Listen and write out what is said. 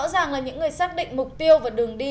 mà là những người xác định mục tiêu và đường đi